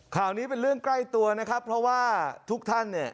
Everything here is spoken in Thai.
ข่าวนี้เป็นเรื่องใกล้ตัวนะครับเพราะว่าทุกท่านเนี่ย